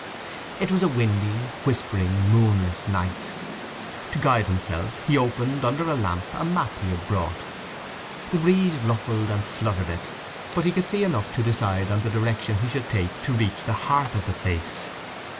It was a windy, whispering, moonless night. To guide himself he opened under a lamp a map he had brought. The breeze ruffled and fluttered it, but he could see enough to decide on the direction he should take to reach the heart of the place.